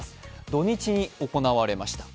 土日に行われました。